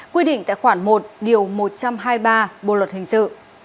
quy định tại khoản một điều một trăm hai mươi ba bộ luật hình sự